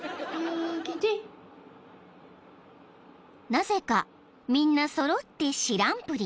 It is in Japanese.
［なぜかみんな揃って知らんぷり］